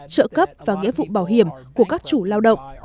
trợ cấp và nghĩa vụ bảo hiểm của các chủ lao động